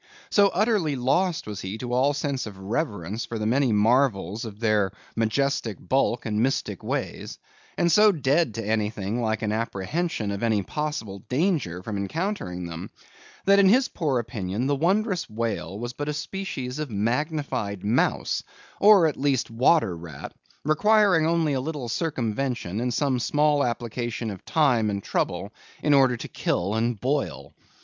So utterly lost was he to all sense of reverence for the many marvels of their majestic bulk and mystic ways; and so dead to anything like an apprehension of any possible danger from encountering them; that in his poor opinion, the wondrous whale was but a species of magnified mouse, or at least water rat, requiring only a little circumvention and some small application of time and trouble in order to kill and boil.